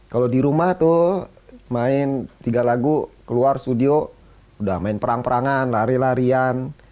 kalau di rumah tuh main tiga lagu keluar studio udah main perang perangan lari larian